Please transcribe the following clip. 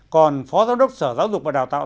còn phó giáo đốc sở giáo dục và đào tạo